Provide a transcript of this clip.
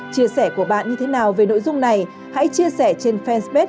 chia sẻ của bạn như thế nào về nội dung này hãy chia sẻ trên fanspot truyền hình công an nhân dân